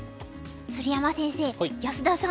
鶴山先生安田さん